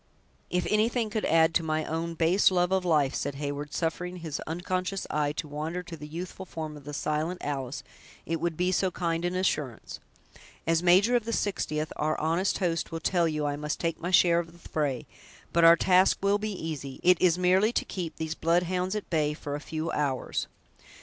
"If anything could add to my own base love of life," said Heyward, suffering his unconscious eyes to wander to the youthful form of the silent Alice, "it would be so kind an assurance. As major of the Sixtieth, our honest host will tell you I must take my share of the fray; but our task will be easy; it is merely to keep these blood hounds at bay for a few hours."